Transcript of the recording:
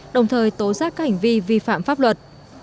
đồng thời tố giác các hành vi vi phạm pháp luật